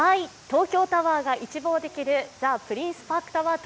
東京タワーが一望できるザ・プリンスパークタワー